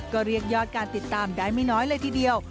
ก็เรียกยอดการติดตามได้ไม่น้อยเลยทีเดียว